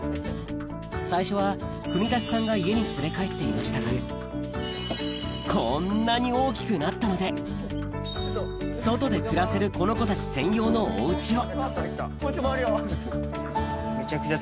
最初は國立さんが家に連れ帰っていましたがこんなに大きくなったので外で暮らせるこの子たち専用のお家をみんな。